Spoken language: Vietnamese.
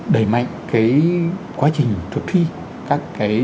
để mạnh quá trình thực thi các dự án